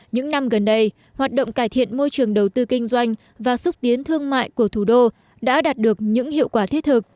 những năm gần đây hoạt động cải thiện môi trường đầu tư kinh doanh và xúc tiến thương mại của thủ đô đã đạt được những hiệu quả thiết thực